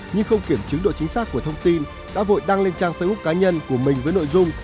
nhưng không kiểm chứng độ chính xác của thông tin đã vội đăng lên trang facebook cá nhân của mình với nội dung